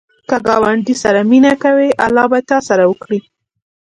که ګاونډي سره مینه کوې، الله به تا سره وکړي